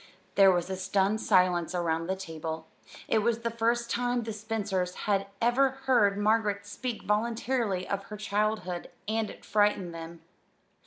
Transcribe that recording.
There was a stunned silence around the table. It was the first time the Spencers had ever heard Margaret speak voluntarily of her childhood, and it frightened them.